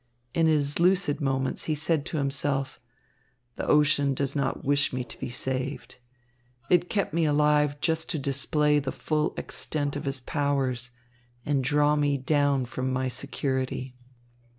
In his lucid moments he said to himself: "The ocean does not wish me to be saved. It kept me alive just to display the full extent of its powers and draw me down from my security."